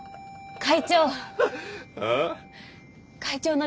会長。